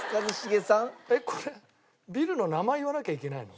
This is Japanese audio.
これビルの名前言わなきゃいけないの？